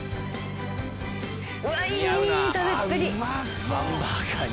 いい食べっぷり！